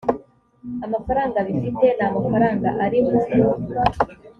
amafaranga bifite n amafaranga ari mu